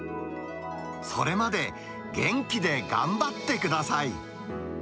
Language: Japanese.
それまで、元気で頑張ってください。